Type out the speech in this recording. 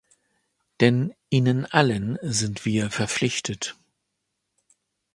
Denn ihnen allen sind wir verpflichtet.